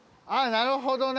なるほどね。